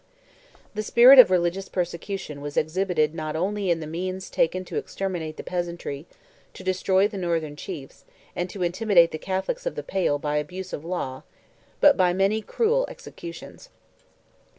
The spirit of religious persecution was exhibited not only in the means taken to exterminate the peasantry, to destroy the northern chiefs, and to intimidate the Catholics of "the Pale" by abuse of law, but by many cruel executions.